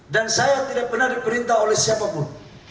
dan saya tidak pernah diperintah oleh siapapun